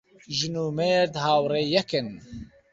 ژن و مێرد هاوڕێی یەکن